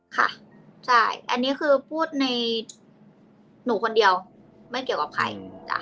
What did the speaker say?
ค่ะใช่อันนี้คือพูดในหนูคนเดียวไม่เกี่ยวกับใคร